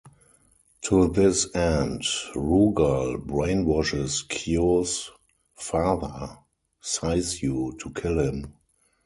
To this end, Rugal brainwashes Kyo's father, Saisyu, to kill him.